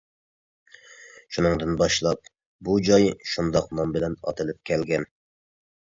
شۇنىڭدىن باشلاپ بۇ جاي شۇنداق نام بىلەن ئاتىلىپ كەلگەن.